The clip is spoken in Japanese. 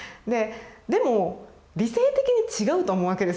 でも理性的に違うと思うわけですよ。